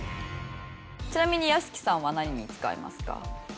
ちなみに屋敷さんは何に使いますか？